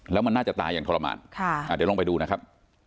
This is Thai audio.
แล้วมันน่าจะตายอย่างทรมานเดี๋ยวลองไปดูนะครับ